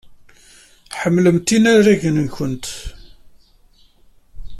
Ḥemmlemt inaragen-nwent.